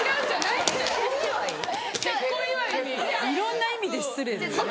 いろんな意味で失礼だよね。